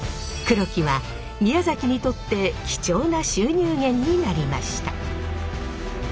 黒木は宮崎にとって貴重な収入源になりました。